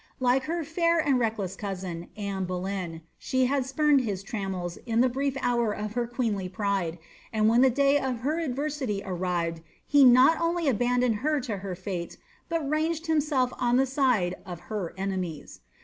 Like her fair and reckless cousin, Anne Boleyn, she had spumed his trammels in the brief hour of her queenly pride, and when the day of her adversity arrived he not only abandonnl her to her fate, but ranged himself on the side of her enemies.